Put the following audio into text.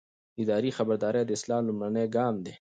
اداري خبرداری د اصلاح لومړنی ګام دی.